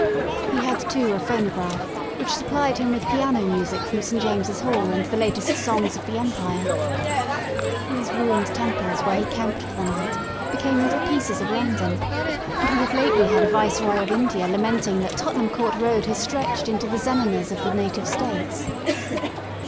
He had, too, a phonograph, which supplied him with piano music from St. James's Hall and the latest songs of the empire. These ruined temples where he camped for the night became little pieces of London ; and we have lately had a Viceroy of India lamenting that Tottenham Court Road has stretched into the zenanas of the native states.